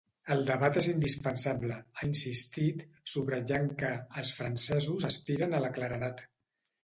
“El debat és indispensable”, ha insistit, subratllant que “els francesos aspiren a la claredat”.